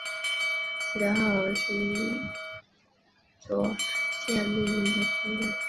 基德号驱逐舰命名的军舰。